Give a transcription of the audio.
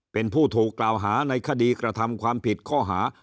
เป็นผู้ถูกกล่าวหาในคดีกระทำความผิดข้อหา